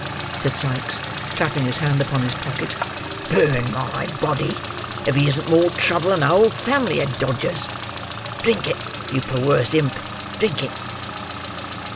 said Sikes clapping his hand upon his pocket. "Burn my body, if he isn't more trouble than a whole family of Dodgers. Drink it, you perwerse imp; drink it!"